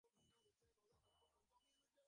মনে হয়, এ ব্যাপারে আপনিও নিশ্চয় একমত হবেন।